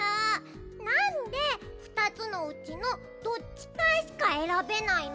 なんでふたつのうちのどっちかしかえらべないの？